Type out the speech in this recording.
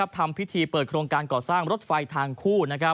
ทำพิธีเปิดโครงการก่อสร้างรถไฟทางคู่